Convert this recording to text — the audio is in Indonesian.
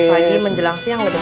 pagi menjelang siang lebih